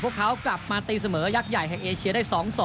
พวกเขากลับมาตีเสมอยักษ์ใหญ่แห่งเอเชียได้๒๒